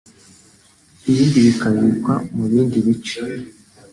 ibindi bikabikwa mu bindi bice